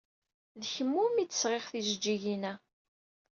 D kemm umi d-sɣiɣ tijeǧǧigin-a.